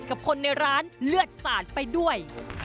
กับคนในร้านเลือดสาดไปด้วย